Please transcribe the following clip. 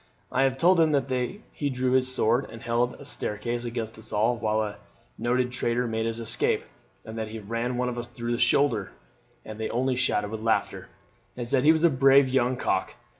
I have told them that he drew a sword and held the staircase against us all while a noted traitor made his escape, and that he ran one of us through the shoulder, and they only shouted with laughter, and said he was a brave young cock.